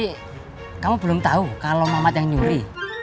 tapi kamu belum tahu kalau mamat yang nyuri